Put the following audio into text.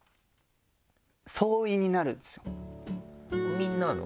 みんなの？